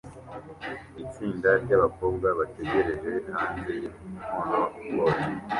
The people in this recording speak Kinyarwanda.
Itsinda ryabakobwa bategereje hanze yinkono-potty